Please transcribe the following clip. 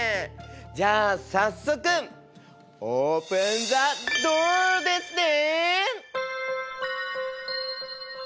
じゃあ早速オープンザドアですね。